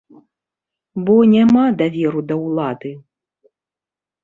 Бо няма даверу да ўлады.